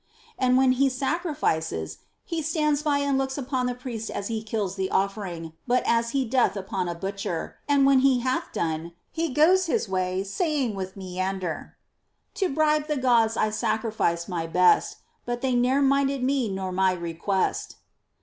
And when he sac rifices, he stands by and looks upon the priest as he kills 192 PLEASURE NOT ATTAINABLE the offering but as he doth upon a butcher ; and when he hath done, he goes his way, saying with Menander, To bribe the Gods I sacrificed my best, But they ne'er minded me nor my request.